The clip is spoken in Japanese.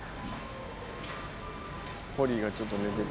ポリーがちょっと寝てて。